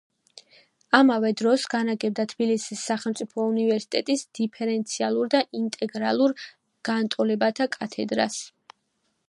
ამავე დროს განაგებდა თბილისის სახელმწიფო უნივერსიტეტის დიფერენციალურ და ინტეგრალურ განტოლებათა კათედრას.